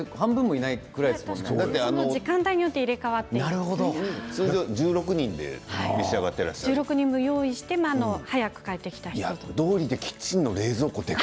時間帯によって入れ代わって１６人分用意して早く帰ってきた人たちとか。